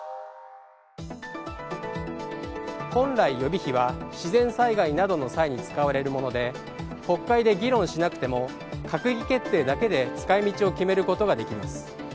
本来、予備費は自然災害などの際に使われるもので国会で議論しなくても閣議決定だけで使い道を決めることができます。